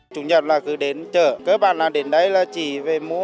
tất cả các hải sản rất là sạch sẽ